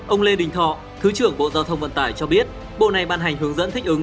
ông lê đình thọ thứ trưởng bộ giao thông vận tải cho biết bộ này ban hành hướng dẫn thích ứng